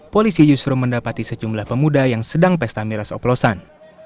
polisi justru mendapati sejumlah pemuda yang sedang pesta miras oplosan